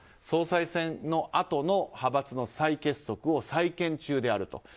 総裁選のあとの派閥の再結束を再建中であると。